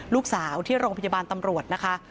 ลูกสาวที่โรงพยาบาลตำรวจนะคะ